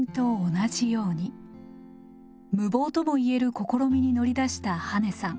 無謀とも言える試みに乗り出した羽根さん。